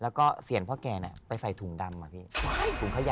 แล้วก็เสียงพ่อแกน่ะไปใส่ถุงดำมาพี่ถุงขยะ